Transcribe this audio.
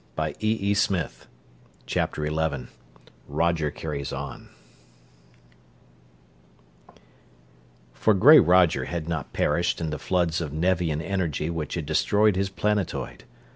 STATIONS ALL!" CHAPTER XI Roger Carries On For gray Roger had not perished in the floods of Nevian energy which had destroyed his planetoid.